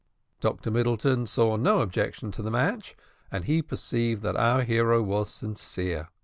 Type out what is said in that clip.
Dr Middleton saw no objection to the match, and he perceived that our hero was sincere.